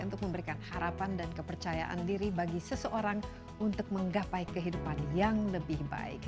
untuk memberikan harapan dan kepercayaan diri bagi seseorang untuk menggapai kehidupan yang lebih baik